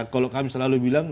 kalau kami selalu bilang